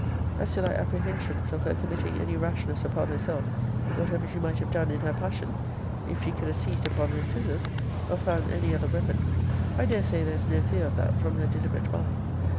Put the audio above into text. As to thy apprehensions of her committing any rashness upon herself, whatever she might have done in her passion, if she could have seized upon her scissors, or found any other weapon, I dare say there is no fear of that from her deliberate mind.